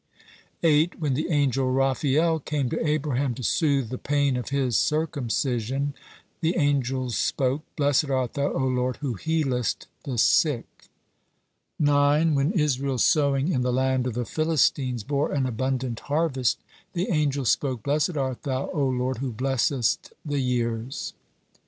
8. When the angel Raphael came to Abraham to soothe the pain of his circumcision, the angels spoke: "Blessed art Thou, O Lord, who healest the sick." 9. When Israel's sowing in the land of the Philistines bore an abundant harvest, the angels spoke: "Blessed art Thou, O Lord, who blessest the years."